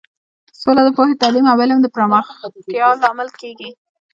سوله د پوهې، تعلیم او علم د پراختیا لامل کیږي.